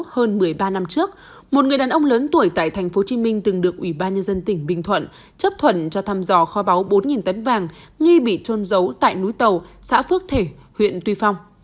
hơn một mươi ba năm trước một người đàn ông lớn tuổi tại tp hcm từng được ủy ban nhân dân tỉnh bình thuận chấp thuận cho thăm dò kho báu bốn tấn vàng nghi bị trôn giấu tại núi tàu xã phước thể huyện tuy phong